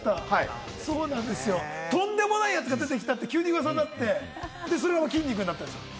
そうなんですよ、とんでもないやつが出てきたって、急に噂になって、それがきんに君だったんです。